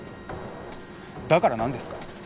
だからなんですか？